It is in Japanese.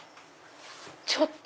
ちょっと！